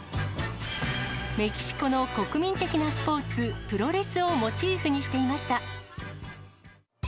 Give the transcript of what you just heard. メキシコの国民的なスポーツ、プロレスをモチーフにしていました。